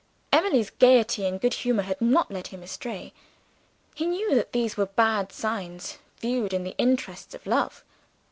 Emily's gaiety and good humor had not led him astray: he knew that these were bad signs, viewed in the interests of love.